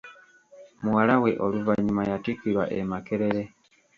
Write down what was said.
Muwala we oluvanyuma yatikkirwa e makerere.